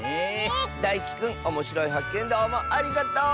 だいきくんおもしろいはっけんどうもありがとう！